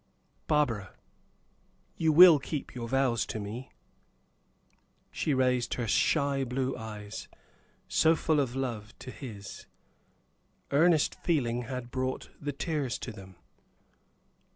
"Barbara, you will keep your vows to me?" She raised her shy blue eyes, so full of love to his; earnest feeling had brought the tears to them.